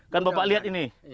kan bapak lihat ini